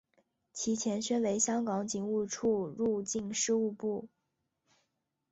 其前身为香港警务处入境事务部。